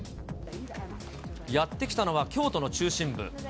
やって来たのは、京都の中心部。